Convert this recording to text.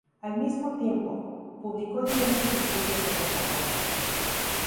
Al mismo tiempo, publicó diversos estudios sobre Platón.